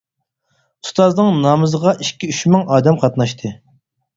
ئۇستازنىڭ نامىزىغا ئىككى-ئۇچ مىڭ ئادەم قاتناشتى.